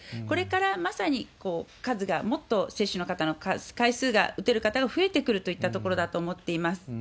これからまさに数がもっと、接種の方の回数が、打てる方が増えてくるといったところだと思っています。